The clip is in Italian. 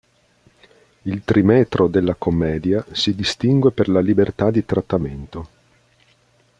Il trimetro della commedia si distingue per la libertà di trattamento.